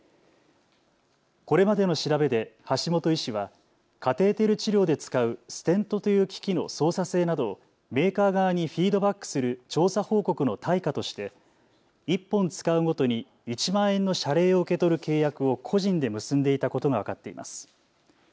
これまでの調べで橋本医師はカテーテル治療で使うステントという機器の操作性などをメーカー側にフィードバックする調査報告の対価として１本使うごとに１万円の謝礼を受け取る契約を個人で結んでいたことが分かっています。